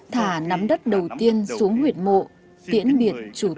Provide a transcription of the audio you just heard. thả nắm đất đầu tiên xuống huyệt mộ tiễn biệt chủ tịch nước trần đại quang